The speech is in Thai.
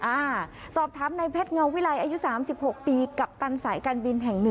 อ่าสอบถามในเพชรเงาวิลัยอายุ๓๖ปีกัปตันสายการบินแห่ง๑